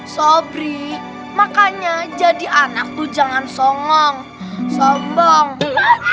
sobri makanya jadi anak tuh jangan songong sombong